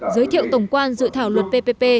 giới thiệu tổng quan dự thảo luật ppp